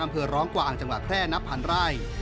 อำเภอร้องกว่างจังหวัดแพร่นับพันไร